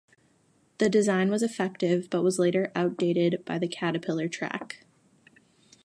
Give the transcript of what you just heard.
The design was effective but was later outdated by the caterpillar track.